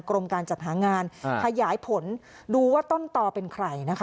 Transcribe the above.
กรมการจัดหางานขยายผลดูว่าต้นตอเป็นใครนะคะ